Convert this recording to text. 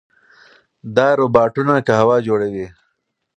دا روباټونه قهوه جوړوي.